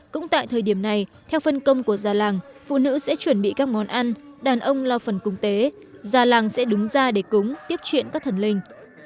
cũng tại thời điểm này theo phân công của gia làng phụ nữ sẽ chuẩn bị các món ăn đàn ông lo phần cung tế gia làng sẽ đúng ra để cúng tiếp truyện các thần linh